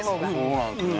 そうなんですね。